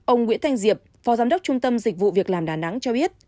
ông nguyễn thanh diệp phó giám đốc trung tâm dịch vụ việc làm đà nẵng cho biết